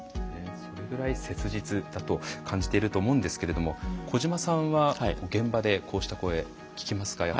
それぐらい切実だと感じていると思うんですけれども小島さんは現場でこうした声、聞きますか。